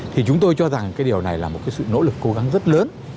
thì chúng tôi cho rằng cái điều này là một cái sự nỗ lực cố gắng rất lớn